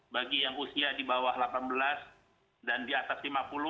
bagi yang usia di bawah delapan belas dan di atas lima puluh